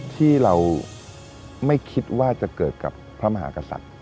ที่เราไม่คิดว่าจะเกิดกับพระมหากษัตริย์